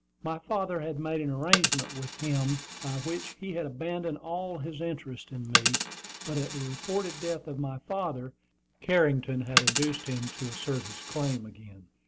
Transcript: My father had made an arrangement with him by which he had abandoned all his interest in me, but at the reported death of my father, Carrington had induced him to assert his claim again.